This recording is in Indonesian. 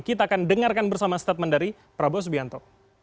kita akan dengarkan bersama statement dari prabowo subianto